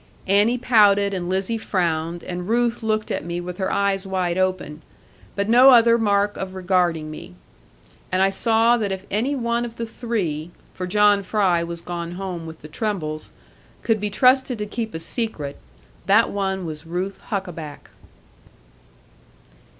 Annie pouted, and Lizzie frowned, and Ruth looked at me with her eyes wide open, but no other mark of regarding me. And I saw that if any one of the three (for John Fry was gone home with the trembles) could be trusted to keep a secret, that one was Ruth Huckaback.